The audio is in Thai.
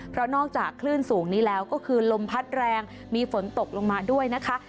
เพราะนอกจากคลื่นสูงนี้แล้วก็คือลมพัดแรงมีฝนตกลงมาด้วยนะคะ